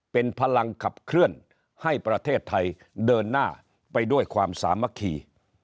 เป็นพลังขับเคลื่อนให้ประเทศไทยเดินหน้าไปด้วยความสามัคคี